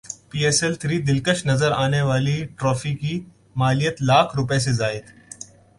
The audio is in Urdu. پی ایس ایل تھری دلکش نظر نے والی ٹرافی کی مالیت لاکھ روپے سے زائد